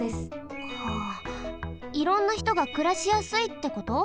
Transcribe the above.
はあいろんなひとがくらしやすいってこと？